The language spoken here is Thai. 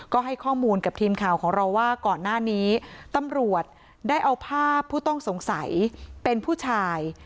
ก็ให้ข้อมูลกับทีมข่าวของเราว่าก่อนหน้านี้ตำรวจได้เอาภาพผู้ต้องสงสัยเป็นผู้ชาย